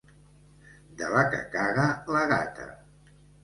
De la que caga la gata.